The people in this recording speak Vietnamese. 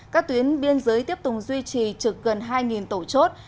các tuyến biên giới tiếp tục duy trì trực gần hai tổ chốt